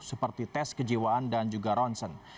seperti tes kejiwaan dan juga ronsen